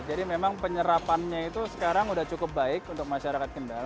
jadi memang penyerapannya itu sekarang sudah cukup baik untuk masyarakat kendal